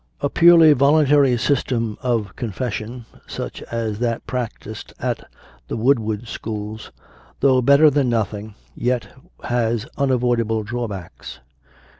A purely volun tary system of Confession, such as they practised at the Woodard schools, though better than nothing, yet has unavoidable drawbacks.